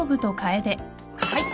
はい。